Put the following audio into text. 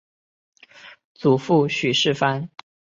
祖父许士蕃。